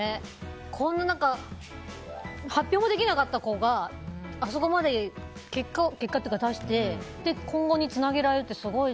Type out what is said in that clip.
こんな、発表もできなかった子があそこまで結果を出して今後につなげられるってすごい。